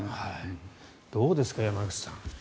どうですか、山口さん。